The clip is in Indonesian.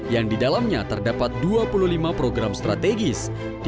yang di dalamnya terdapat dua puluh lima program strategis